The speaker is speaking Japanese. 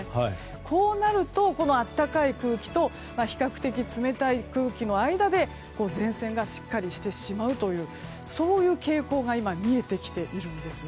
こうなると暖かい空気と比較的冷たい空気の間で前線がしっかりしてしまうというそういう傾向が今見えてきているんです。